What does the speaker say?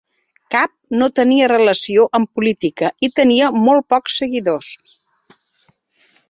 Cap no tenia relació amb política i tenia molt pocs seguidors.